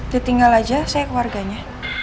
dia tinggal aja saya keluarganya